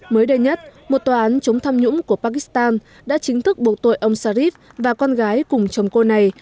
mới đây nhất một tòa án chống tham nhũng của pakistan đã chính thức buộc tội ông sharif và con gái cùng chồng cô này